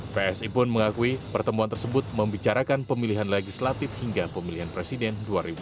psi pun mengakui pertemuan tersebut membicarakan pemilihan legislatif hingga pemilihan presiden dua ribu sembilan belas